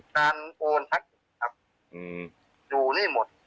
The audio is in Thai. โอนทักครับอยู่นี่หมด